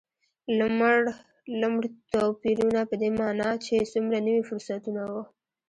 لومړ توپیرونه په دې معنا چې څومره نوي فرصتونه و.